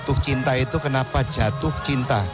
jatuh cinta itu kenapa jatuh cinta